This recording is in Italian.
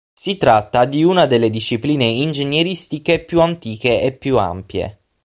Si tratta di una delle discipline ingegneristiche più antiche e più ampie.